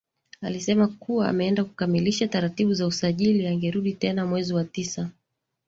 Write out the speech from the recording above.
Alisema kuwa ameenda kukamilisha taratibu za usajili angerudi tena mwezi wa tisa